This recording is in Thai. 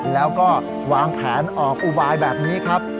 แล้วก็วางแผนออกอุบายแบบนี้ครับ